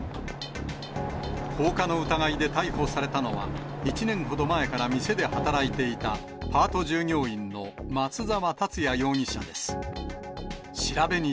放火の疑いで逮捕されたのは、１年ほど前から店で働いていた、パート従業員の松沢達也容疑者です。